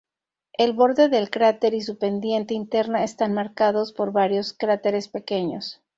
El borde del cráter y su pendiente interna están marcados por varios cráteres pequeños.